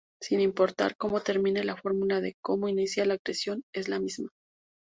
Sin importar cómo termine, la fórmula de cómo inicia la agresión es la misma.